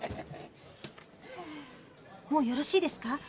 もうよろしいですか？